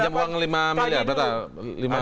itu yang pinjam uang lima miliar betul